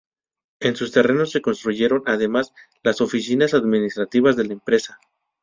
En sus terrenos se construyeron además, las oficinas administrativas de la empresa.